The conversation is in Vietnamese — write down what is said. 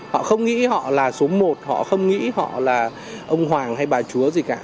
họ không nghĩ họ là số một họ không nghĩ họ là ông hoàng hay bà chúa gì cả